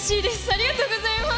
ありがとうございます！